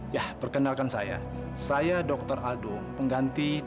ya perkenalkan saya saya dokter aldo pengganti dokter effendi